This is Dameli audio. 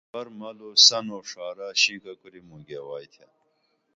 آسپر ملُو سن او ڜارہ شِنکہ کُری موں گیوائتھے